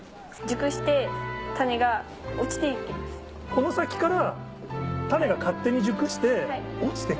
この先から。